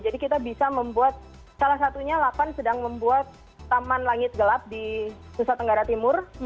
kita bisa membuat salah satunya lapan sedang membuat taman langit gelap di nusa tenggara timur